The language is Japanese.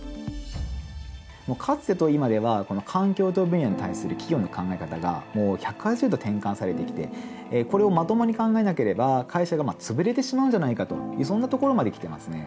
かつてと今では環境分野に対する企業の考え方がもう１８０度転換されてきてこれをまともに考えなければ会社が潰れてしまうんじゃないかというそんなところまで来てますね。